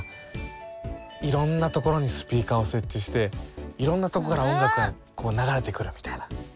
いろんなところにスピーカーを設置していろんなとこから音楽がこう流れてくるみたいな。